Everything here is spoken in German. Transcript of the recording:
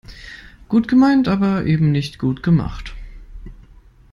Gut gemeint, aber eben nicht gut gemacht.